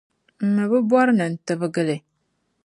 m mi bi bɔri ni n tibigi li.